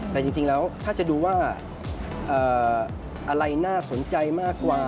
แต่จริงแล้วถ้าจะดูว่าอะไรน่าสนใจมากกว่า